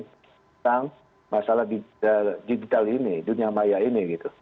tentang masalah digital ini dunia maya ini gitu